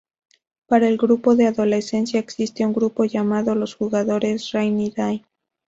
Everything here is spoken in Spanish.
Para el grupo de adolescentes existe un grupo llamado Los jugadores Rainy Day.